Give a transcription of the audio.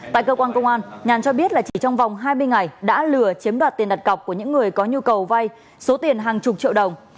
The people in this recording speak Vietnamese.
tại cơ quan công an nhàn cho biết là chỉ trong vòng hai mươi ngày đã lừa chiếm đoạt tiền đặt cọc của những người có nhu cầu vay số tiền hàng chục triệu đồng